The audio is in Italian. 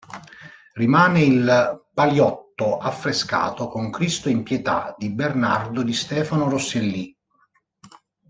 Rimane il paliotto affrescato con "Cristo in pietà" di Bernardo di Stefano Rosselli.